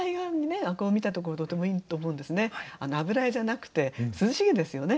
油絵じゃなくて涼しげですよね。